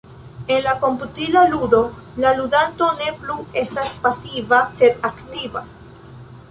En komputila ludo, la ludanto ne plu estas pasiva sed aktiva.